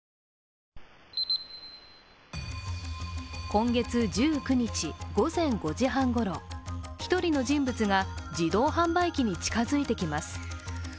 今月１９日、午前５時半ごろ、１人の人物が自動販売機に近づいてきます。